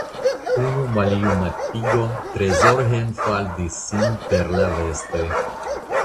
Unu maljuna pigo tre zorge enfaldis sin per la vestoj.